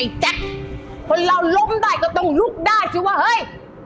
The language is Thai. แจ๊คคนเราล้มได้ก็ต้องลุกได้สิว่าเฮ้ย